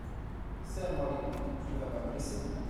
Serre-moi les mains, tu ne vas pas me laisser !